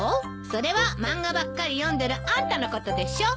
それは漫画ばっかり読んでるあんたのことでしょ。